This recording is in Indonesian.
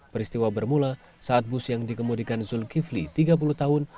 peristiwa bermula saat bus yang dikemudikan zulkifli tiga puluh tahun